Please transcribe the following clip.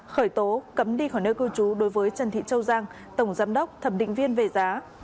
khởi tố cấm đi khỏi nơi cư trú đối với trần thị châu giang tổng giám đốc thẩm định viên về giá